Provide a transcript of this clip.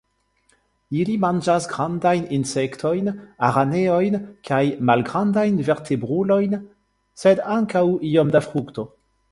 Ili manĝas grandajn insektojn, araneojn kaj malgrandajn vertebrulojn, sed ankaŭ iom da frukto.